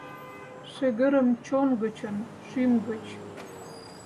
Шыгырым чон гычын, шӱм гыч